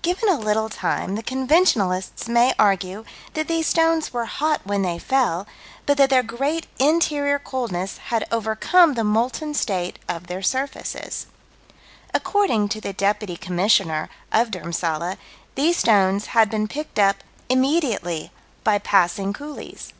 Given a little time the conventionalists may argue that these stones were hot when they fell, but that their great interior coldness had overcome the molten state of their surfaces. According to the Deputy Commissioner of Dhurmsalla, these stones had been picked up "immediately" by passing coolies.